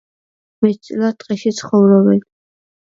მეტწილად ტყეში ცხოვრობენ.